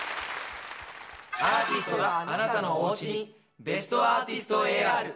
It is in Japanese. アーティストがあなたのおうちに『ベストアーティスト』ＡＲ。